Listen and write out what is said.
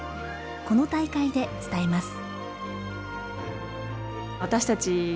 この大会で伝えます。